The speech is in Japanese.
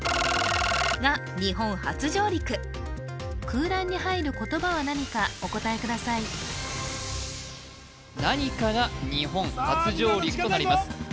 空欄に入る言葉は何かお答えください何かが日本初上陸となりますさあ